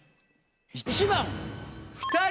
１番。